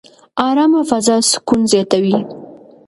ارامه فضا سکون زیاتوي.